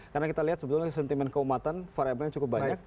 karena kita lihat sebetulnya sentimen keumatan variabelnya cukup banyak